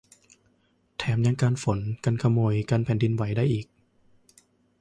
แถมยังกันฝนกันขโมยกันแผ่นดินไหวได้อีก